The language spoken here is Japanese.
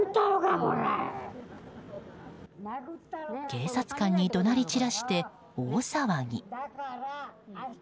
警察官に怒鳴り散らして大騒ぎ。